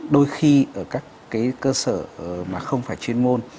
đôi khi ở các cơ sở mà không phải chuyên môn